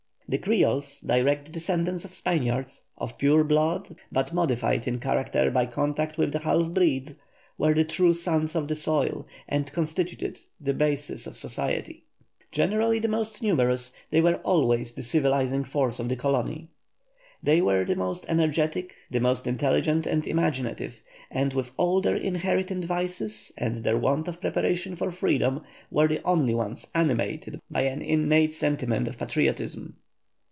The Creoles, direct descendants of Spaniards, of pure blood, but modified in character by contact with the half breeds, were the true sons of the soil, and constituted the basis of society. Generally the most numerous, they were always the civilising force of the colony. They were the most energetic, the most intelligent and imaginative; and with all their inherited vices and their want of preparation for freedom, were the only ones animated by an innate sentiment of patriotism.